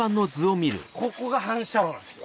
ここが反射炉なんです。